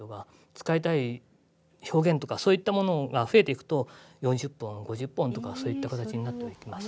使いたい表現とかそういったものが増えていくと４０本５０本とかそういった形になっていきます。